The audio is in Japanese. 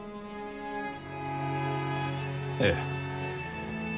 ええ。